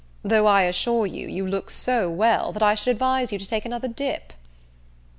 though I assure you, you look so well, that I should advise you to take another dip."